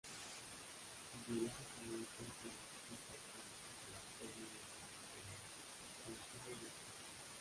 Ideológicamente, se identifica con la Contrarreforma y el contemporáneo Concilio de Trento.